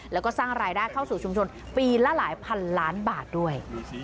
แล้วก็สร้างรายได้เข้าสู่ชุมชนปีละหลายพันล้านบาทด้วย